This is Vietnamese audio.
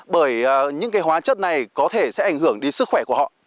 bởi những cái hóa chất này có thể sẽ ảnh hưởng đến sức khỏe của họ